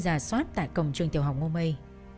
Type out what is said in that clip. già soát tại cổng trường tiểu hồng ngô mây